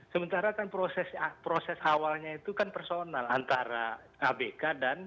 sementara kan proses awalnya itu kan personal antara abk dan